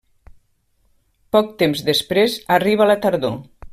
Poc temps després arriba la tardor.